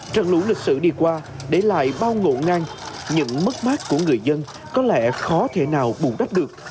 trận lũ lịch sử đi qua để lại bao ngộ ngang những mất mát của người dân có lẽ khó thể nào bù đắp được